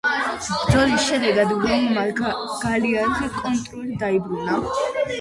ბრძოლის შედეგად რომმა გალიაზე კონტროლი დაიბრუნა.